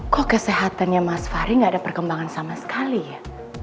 kok kesehatannya mas fahri gak ada perkembangan sama sekali ya